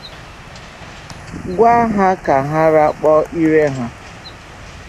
gwa ha ka rakpuo ire ha